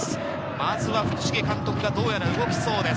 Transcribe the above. まずは福重監督が動きそうです。